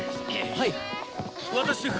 はい。